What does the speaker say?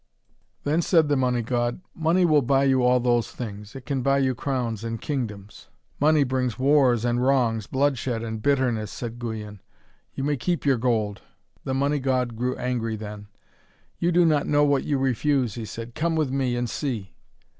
Then said the Money God, 'Money will buy you all those things. It can buy you crowns and kingdoms.' 'Money brings wars and wrongs, bloodshed and bitterness,' said Guyon. 'You may keep your gold.' The Money God grew angry then. 'You do not know what you refuse,' he said. 'Come with me and see.'